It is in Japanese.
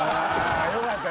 よかったね。